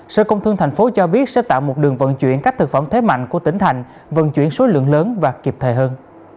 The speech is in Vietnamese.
sở công thương tp hcm cho biết sẽ tạo một đường vận chuyển các thực phẩm thế mạnh của tỉnh thành vận chuyển số lượng lớn và kịp thời hơn